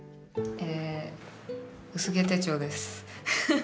薄毛手帳です。